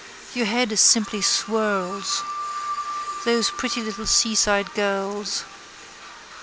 Your head it simply swurls. Those pretty little seaside gurls.